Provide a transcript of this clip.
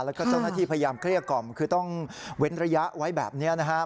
แล้วก็เจ้าหน้าที่พยายามเกลี้ยกล่อมคือต้องเว้นระยะไว้แบบนี้นะครับ